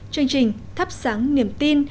chương trình thắp sáng niềm tin